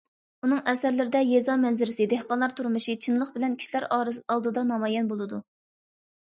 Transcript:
ئۇنىڭ ئەسەرلىرىدە يېزا مەنزىرىسى، دېھقانلار تۇرمۇشى چىنلىق بىلەن كىشىلەر ئالدىدا نامايان بولىدۇ.